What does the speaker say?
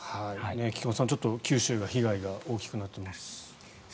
菊間さん、九州の被害が大きくなっています。